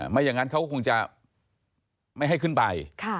ไม่อย่างนั้นเขาก็คงจะไม่ให้ขึ้นไป